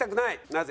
なぜ？